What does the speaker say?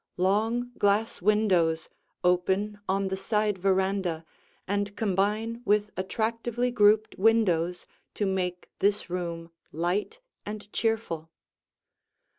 Long glass windows open on the side veranda and combine with attractively grouped windows to make this room light and cheerful.